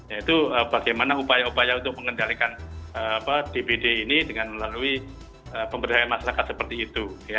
yaitu bagaimana upaya upaya untuk mengendalikan dpd ini dengan melalui pemberdayaan masyarakat seperti itu